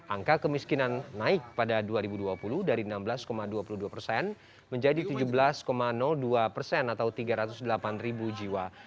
angka kemiskinan naik pada dua ribu dua puluh dari enam belas dua puluh dua persen menjadi tujuh belas dua persen atau tiga ratus delapan ribu jiwa